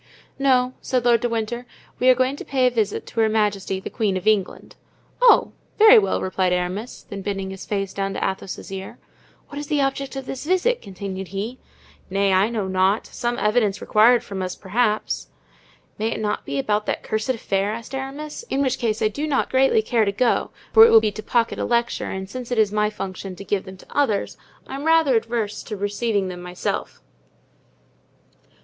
"No," said Lord de Winter, "we are going to pay a visit to Her Majesty the Queen of England." "Oh, very well," replied Aramis; then bending his face down to Athos's ear, "what is the object of this visit?" continued he. "Nay, I know not; some evidence required from us, perhaps." "May it not be about that cursed affair?" asked Aramis, "in which case I do not greatly care to go, for it will be to pocket a lecture; and since it is my function to give them to others I am rather averse to receiving them myself."